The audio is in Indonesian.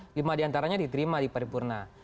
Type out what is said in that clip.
lima diantaranya diterima di paripurna